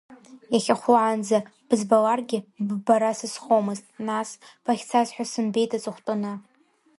Иахьахәлаанӡа бызбаларгьы, ббара сызхомызт, нас, бахьцаз ҳәа сымбеит аҵыхәтәаны.